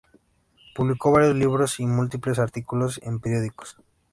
Publicó varios libros y múltiples artículos en periódicos.